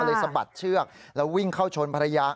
สะบัดเชือกแล้ววิ่งเข้าชนภรรยา